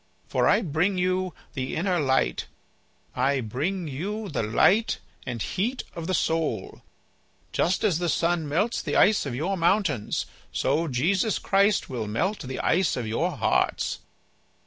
For I bring you the inner light; I bring you the light and heat of the soul. Just as the sun melts the ice of your mountains so Jesus Christ will melt the ice of your hearts."